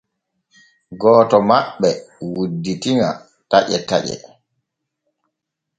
Gooto maɓɓe wudditi ŋa taƴe taƴe.